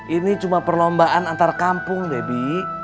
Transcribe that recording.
ini cuma perlombaan antar kampung debbie